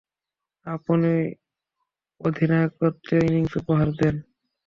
তিনি অধিনায়কোচিত ইনিংস উপহার দেন।